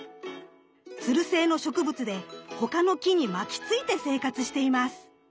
つる性の植物で他の木に巻きついて生活しています。